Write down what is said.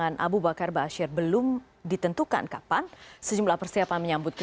ada pembada utama ist doctrin yang mengkonservasi untuk elektronik pobre